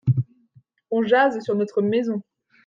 On jase sur notre maison.